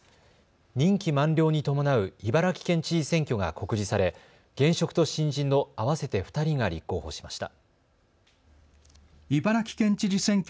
任期満了に伴う茨城県知事選挙が告示され現職と新人の合わせて２人が立候補しました。